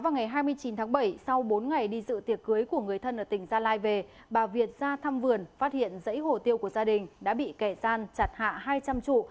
vào ngày hai mươi chín tháng bảy sau bốn ngày đi dự tiệc cưới của người thân ở tỉnh gia lai về bà việt ra thăm vườn phát hiện giấy hồ tiêu của gia đình đã bị kẻ gian chặt hạ hai trăm linh trụ